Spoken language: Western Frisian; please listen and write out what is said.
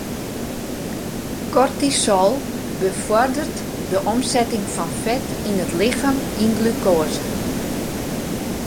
Kortisol befoarderet de omsetting fan fet yn it lichem yn glukoaze.